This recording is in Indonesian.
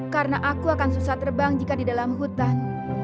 karena aku akan susah terbang jika di dalam hutan